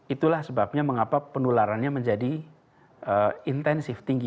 itulah sebabnya mengapa penularannya menjadi intensif tinggi